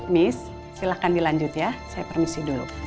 miss silahkan dilanjut ya saya permisi dulu